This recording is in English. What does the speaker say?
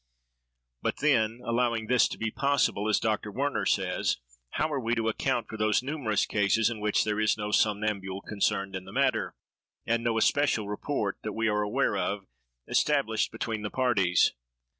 But then, allowing this to be possible, as Dr. Werner says, how are we to account for those numerous cases in which there is no somnambule concerned in the matter, and no especial rapport, that we are aware of, established between the parties?